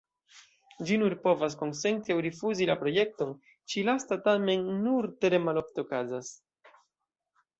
Ĝi nur povas konsenti aŭ rifuzi la projekton; ĉi-lasta tamen nur tre malofte okazas.